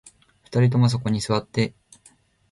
二人ともそこに座って